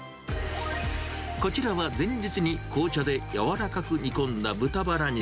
こちらは前日に紅茶で柔らかく煮込んだ豚バラ肉。